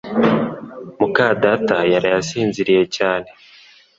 muka data yaraye asinziriye cyane